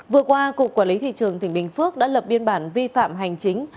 vừa qua cục quản lý thị trường tỉnh bình phước đã lập biên bản vi phạm hành chính